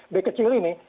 b kecil ini